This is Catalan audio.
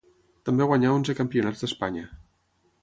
També guanyà onze campionats d'Espanya.